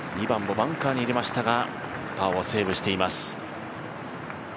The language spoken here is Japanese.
２番もバンカーに入れましたがパーをセーブしています。